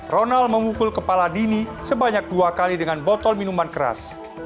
ronald memukul kepala dini sebanyak dua kali dengan botol minuman keras